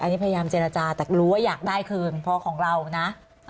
อันนี้พยายามเจรจาแต่รู้ว่าอยากได้คืนเพราะของเรานะ